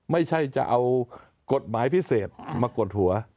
ไม่ใช่จะเอากฎหมายพิเศษมากดหัว